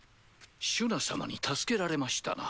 シュナ様に助けられましたな。